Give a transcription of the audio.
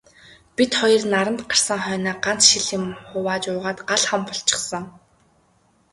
Бид хоёр наранд гарсан хойноо ганц шил юм хувааж уугаад гал хам болчихсон.